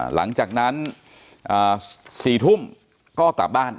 หลังจากนั้น๔ทุ่มก็กลับบ้าน